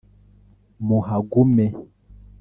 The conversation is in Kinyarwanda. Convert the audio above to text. muhagume